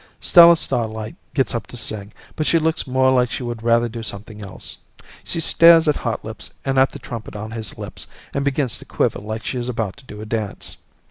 Stella Starlight gets up to sing, but she looks more like she would rather do something else. She stares at Hotlips and at the trumpet on his lips and begins to quiver like she is about to do a dance.